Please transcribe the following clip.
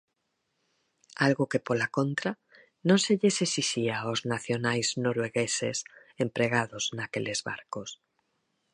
Algo que, pola contra, non se lles exixía aos nacionais noruegueses empregados naqueles barcos.